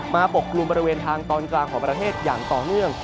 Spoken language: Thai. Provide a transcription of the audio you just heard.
ปกกลุ่มบริเวณทางตอนกลางของประเทศอย่างต่อเนื่อง